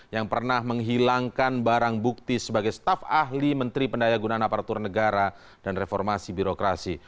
yang pernah menghilangkan barang bukti sebagai staf ahli menteri pendaya gunaan aparatur negara dan reformasi birokrasi